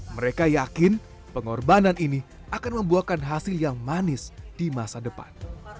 mereka yakin pengorbanan ini akan membuahkan hasil yang manis di masa depan